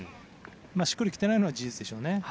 しっくりきていないのは事実でしょうね。